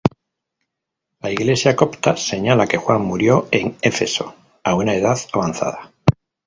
La Iglesia copta señala que Juan murió en Éfeso a una edad avanzada.